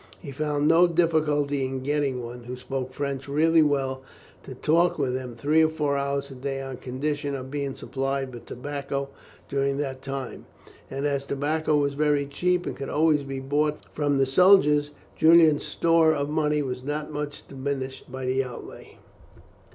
He found no difficulty in getting one, who spoke French really well, to talk with him three or four hours a day on condition of being supplied with tobacco during that time; and as tobacco was very cheap, and could be always bought from the soldiers, Julian's store of money was not much diminished by the outlay.